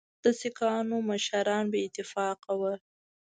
د سیکهانو مشران بې اتفاقه وه.